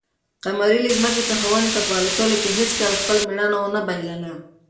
قمرۍ له ځمکې څخه ونې ته په الوتلو کې هیڅکله خپله مړانه ونه بایلله.